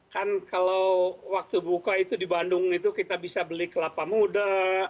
kan kalau waktu buka itu di bandung itu kita bisa beli kelapa muda